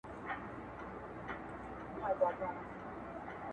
هغه دا ستا د خولې خبرې غواړي